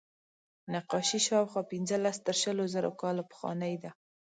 نقاشي شاوخوا پینځلس تر شلو زره کاله پخوانۍ ده.